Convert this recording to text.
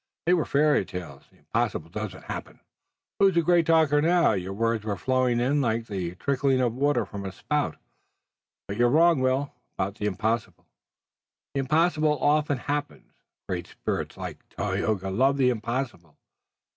they were fairy tales! The impossible doesn't happen!" "Who's the great talker now? Your words were flowing then like the trickling of water from a spout. But you're wrong, Will, about the impossible. The impossible often happens. Great spirits like Tayoga love the impossible.